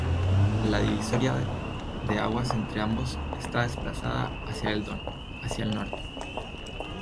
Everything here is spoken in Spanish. La divisoria de aguas entre ambos está desplazada hacia el Don, hacia el norte.